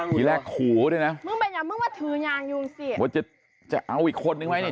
ทีแรกขู่ด้วยนะมึงเป็นอ่ะมึงมาถือยางอยู่สิว่าจะจะเอาอีกคนนึงไหมเนี่ย